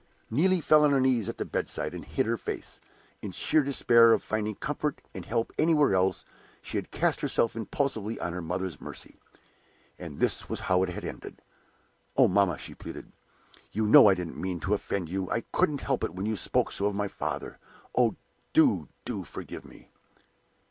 Neelie fell on her knees at the bedside and hid her face. In sheer despair of finding comfort and help anywhere else, she had cast herself impulsively on her mother's mercy; and this was how it had ended! "Oh, mamma," she pleaded, "you know I didn't mean to offend you! I couldn't help it when you spoke so of my father. Oh, do, do forgive me!"